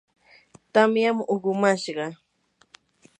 tamyam uqumashqa.